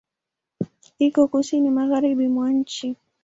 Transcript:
Iko Kusini magharibi mwa nchi.